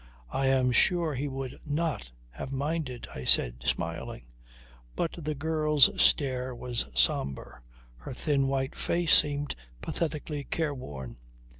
"I am sure he would not have minded," I said, smiling. But the girl's stare was sombre, her thin white face seemed pathetically careworn.